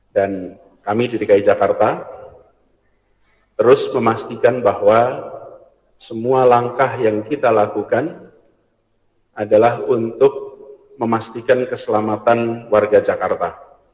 dan kami dki jakarta terus memastikan bahwa semua langkah yang kita lakukan adalah untuk memastikan keselamatan warga jakarta